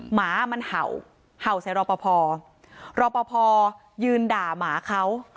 หมามันเห่าเห่าใส่รอปภรอปภยืนด่าหมาเขา